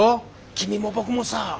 君も僕もさ。